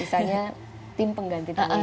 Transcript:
misalnya tim pengganti tali